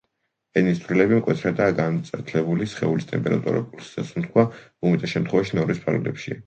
ენის დვრილები მკვეთრადაა გაწითლებული, სხეულის ტემპერატურა, პულსი და სუნთქვა უმეტეს შემთხვევაში ნორმის ფარგლებშია.